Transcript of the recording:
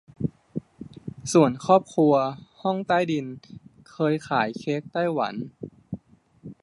ส่วนครอบครัวห้องใต้ดิน เคยขายเค้กไต้หวัน